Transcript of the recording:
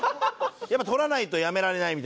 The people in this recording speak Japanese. やっぱ取らないとやめられないみたいな？